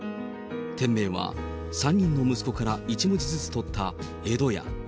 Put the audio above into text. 店名は３人の息子から１文字ずつ取ったえどや。